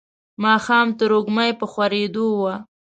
ماښام تروږمۍ په خورېدو وه.